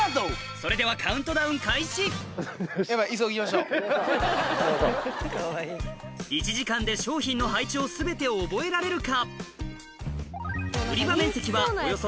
それではカウントダウン開始１時間で商品の配置を全て覚えられるか？